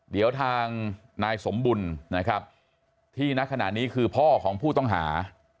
เดี๋ยวทางนายสมบุญนะครับที่นักขณะนี้คือพ่อของผู้ต้องหา